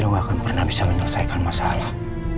yang akan pernah bisa menyelesaikan masalah